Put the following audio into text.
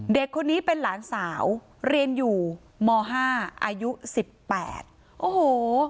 เด็กคนนี้เป็นหลานสาวเรียนอยู่ม๕อายุสิบแปดโอ้โห